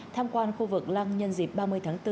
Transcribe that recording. tham quan khu vực lăng nhân dịp ba mươi tháng bốn